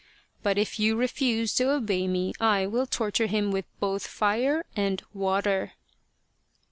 " But if you refuse to obey me, I will torture him with both fire and water."